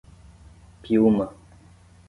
Piúma